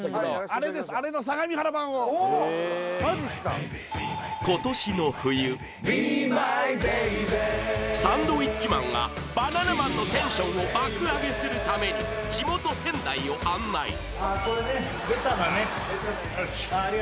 あれの相模原版をおっマジっすかサンドウィッチマンがバナナマンのテンションを爆上げするために地元・仙台を案内ああ